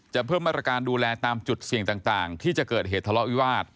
เพิ่มมาตรการดูแลตามจุดเสี่ยงต่างที่จะเกิดเหตุทะเลาะวิวาส